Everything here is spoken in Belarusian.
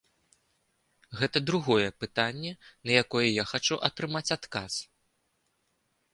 Гэта другое пытанне, на якое я хачу атрымаць адказ.